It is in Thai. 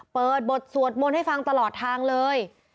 เปิดบทสวดมนต์ให้ฟังตลอดทางเลย